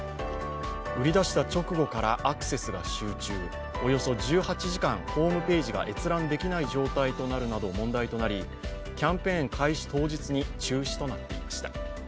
売り出した直後からアクセスが集中、およそ１８時間ホームページが閲覧できない状態となるなど問題となりキャンペーン開始当日に中止となっていました。